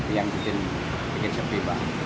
yang bikin sepi